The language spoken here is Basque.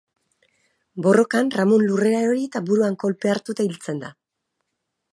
Borrokan, Ramon lurrera erori eta buruan kolpea hartuta hiltzen da.